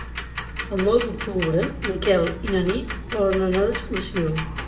El nou d'octubre en Quel i na Nit volen anar d'excursió.